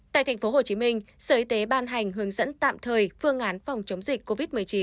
tại tp hcm sở y tế ban hành hướng dẫn tạm thời phương án phòng chống dịch covid một mươi chín